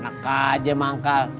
naka aja manggal